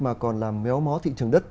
mà còn làm méo mó thị trường đất